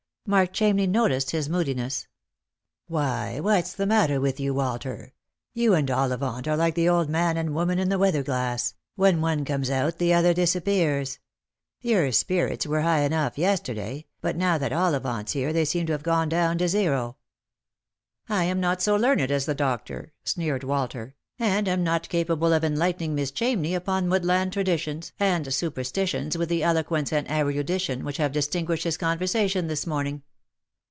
Mark Chamney noticed his moodiness. '* Why, what's the matter with you, Walter ? You and OUivant are like the old man and woman in the weather glass — when one comes out, the other disappears. Your spirits wero high enough yesterday, but now that OUivant's here, they seem to have gone down to zero." " I am not so learned as the doctor," sneered Walter, " and am not capable of enlightening Miss Chamney upon woodland traditions and superstitions with the eloquence and erudition which have distinguished his conversation this morning."